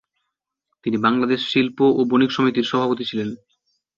তিনি বাংলাদেশ শিল্প ও বণিক সমিতির সভাপতি ছিলেন।